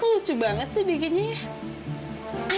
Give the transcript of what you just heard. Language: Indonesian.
lucu banget sih bikinnya ya